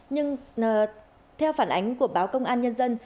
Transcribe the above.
nhưng theo phản ánh của báo công an nhân dân